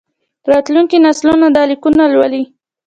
راتلونکي نسلونه دا لیکونه لولي.